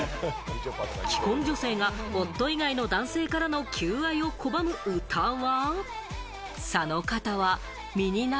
既婚女性が夫以外の男性からの求愛を拒む歌は。